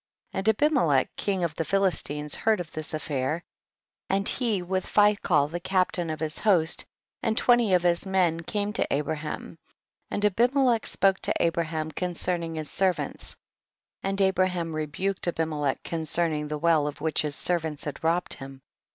6. And Abimelech king of the Philistines heard of this affair, and he with Phicol the captain of his host and twenty of his men came to Abraham, and Abimelech spoke to Abraham concerning his servants, and Abraham rebuked Abimelech concerning the well of which his servants had robbed him.